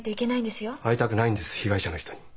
会いたくないんです被害者の人に。